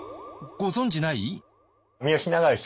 ご存じない？